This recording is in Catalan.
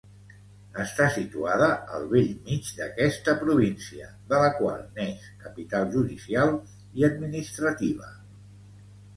Està situada al bell mig d'aquesta província, de la qual n'és capital judicial i administrativa.